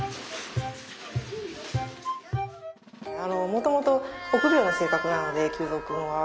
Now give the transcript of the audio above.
もともと臆病な性格なので臼三君は。